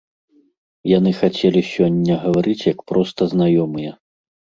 Яны хацелі сёння гаварыць як проста знаёмыя.